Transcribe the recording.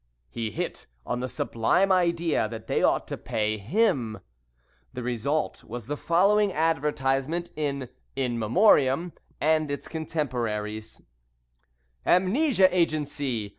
He hit on the sublime idea that they ought to pay him. The result was the following advertisement in In Memoriam and its contemporaries: AMNESIA AGENCY!